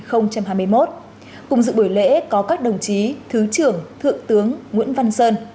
cùng dự buổi lễ có các đồng chí thứ trưởng thượng tướng nguyễn văn sơn